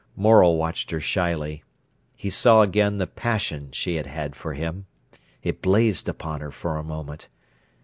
Morel watched her shyly. He saw again the passion she had had for him. It blazed upon her for a moment.